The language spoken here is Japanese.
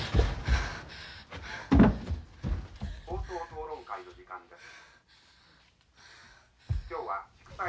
「討論会の時間です」。